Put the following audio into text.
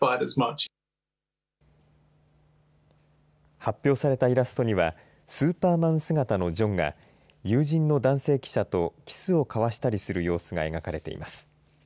発表されたイラストにはスーパーマン姿のジョンが友人の男性記者とキスを交わしたりする様子が描かれています。